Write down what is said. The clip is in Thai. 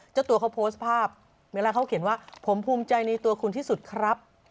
เจ้าตัวเขาโพสต์ภาพเวลาเขาเขียนว่าผมภูมิใจในตัวคุณที่สุดครับ